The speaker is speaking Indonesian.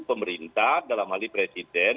pemerintah dalam hal ini presiden